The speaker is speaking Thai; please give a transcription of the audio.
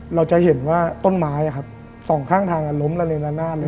เราจะเห็นว่าต้นไม้สองข้างทางล้มระเนละนาดเลย